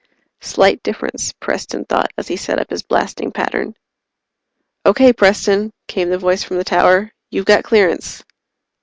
Slight difference, Preston thought, as he set up his blasting pattern. "Okay, Preston," came the voice from the tower. "You've got clearance."